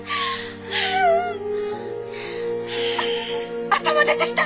あっ頭出てきた！